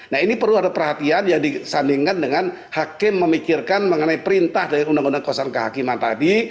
nah ini perlu ada perhatian yang disandingkan dengan hakim memikirkan mengenai perintah dari undang undang kawasan kehakiman tadi